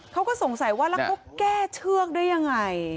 เขาก็สงสัยว่าแล้วเขาแก้เชือกได้ยังไง